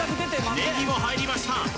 ネギも入りました